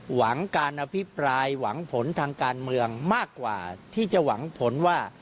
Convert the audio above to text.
หวังการอภิปรายหวังผลทางการเมืองมากกว่าที่จะหวังผลว่า